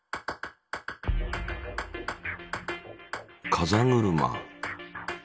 風車。